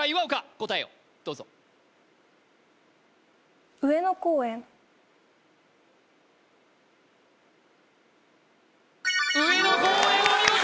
答えをどうぞ上野公園お見事！